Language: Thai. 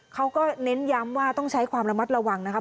เขาก็เน้นย้ำว่าต้องใช้ความระมัดระวังนะครับ